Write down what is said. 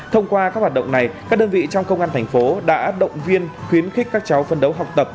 thông qua các hoạt động này các đơn vị trong công an thành phố đã động viên khuyến khích các cháu phân đấu học tập